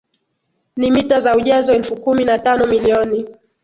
ni mita za ujazo elfu kumi na tano milioni